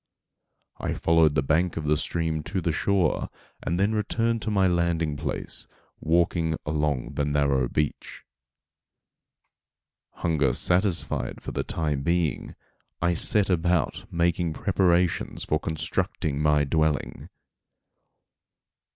I followed the bank of the stream to the shore, and then returned to my landing place, walking along the narrow beach. Hunger satisfied for the time being, I set about making preparations for constructing my dwelling.